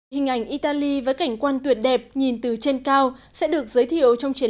hình ảnh italy với cảnh quan tuyệt đẹp nhìn từ trên cao sẽ được giới thiệu trong triển